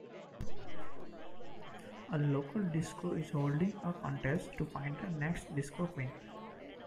A local disco is holding a contest to find the next Disco Queen.